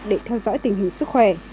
để theo dõi tình hình sức khỏe